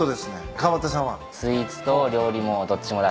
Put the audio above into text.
川端さんは？